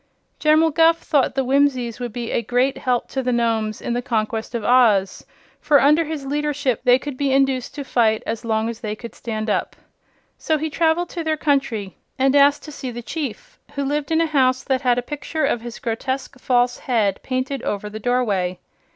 General Guph thought the Whimsies would be a great help to the Nomes in the conquest of Oz, for under his leadership they could be induced to fight as long so they could stand up. So he traveled to their country and asked to see the Chief, who lived in a house that had a picture of his grotesque false head painted over the doorway.